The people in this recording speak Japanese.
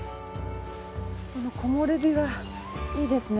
この木漏れ日がいいですね